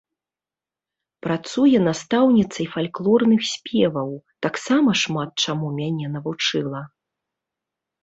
Працуе настаўніцай фальклорных спеваў, таксама шмат чаму мяне навучыла.